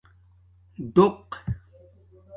ڈݸق